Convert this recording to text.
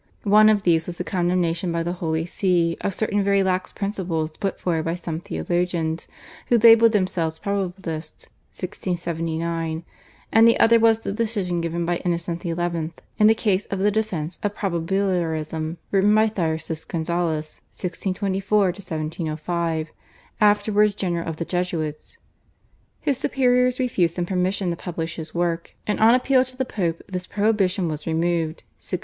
One of these was the condemnation by the Holy See of certain very lax principles put forward by some theologians who labelled themselves Probabilists (1679), and the other was the decision given by Innocent XI. in the case of the defence of Probabiliorism written by Thyrsus Gonzalez (1624 1705) afterwards general of the Jesuits. His superiors refused him permission to publish his work, and on appeal to the Pope this prohibition was removed (1680).